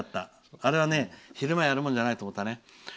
あれは昼間やるもんじゃないと思ったね。